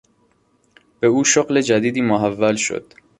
به او شغل جدیدی محول شد.